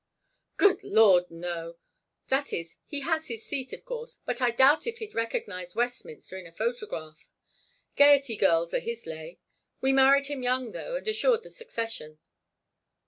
"Good Lord, no! That is, he has his seat, of course, but I doubt if he'd recognize Westminster in a photograph. Gayety girls are his lay. We married him young, though, and assured the succession."